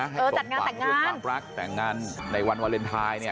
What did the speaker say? จัดงานแต่งงานให้ตรงฝั่งเรื่องความรักแต่งงานในวันวาเลนไทยเนี่ย